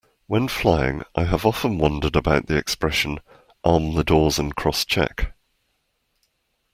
When flying, I have often wondered about the expression Arm the Doors and Crosscheck